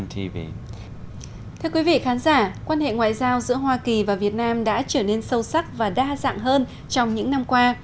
thưa quý vị khán giả quan hệ ngoại giao giữa hoa kỳ và việt nam đã trở nên sâu sắc và đa dạng hơn trong những năm qua